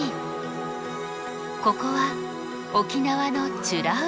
ここは沖縄の美ら海。